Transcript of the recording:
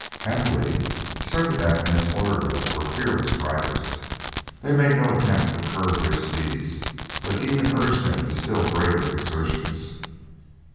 Happily, Servadac and his orderly were fearless riders; they made no attempt to curb their steeds, but even urged them to still greater exertions.